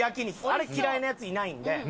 あれ嫌いなヤツいないんで。